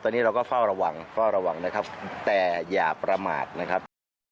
ตอนนี้เราก็เฝ้าระวังเฝ้าระวังนะครับแต่อย่าประมาทนะครับ